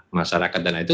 masyarakat dan lainnya